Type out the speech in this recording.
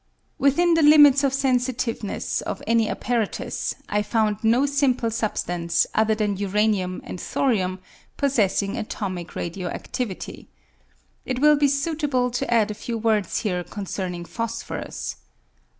Within the limits of sensitiveness of any apparatus, I ound no simple substance, other than uranium and thorium, possessing atomic radio adivity. It will be suitable to add a few words here concerning phosphorus.